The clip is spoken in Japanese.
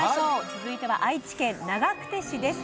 続いては愛知県長久手市です。